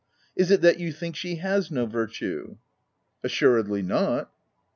Is it that you think she has no virtue V 9 u Assuredly not."